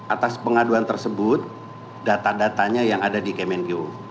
atas pengaduan tersebut data datanya yang ada di kemenkeu